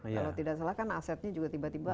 kalau tidak salah kan asetnya juga tiba tiba